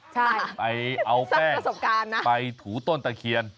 ใช่สร้างประสบการณ์นะไปเอาแป้งไปถูต้นตะเขียน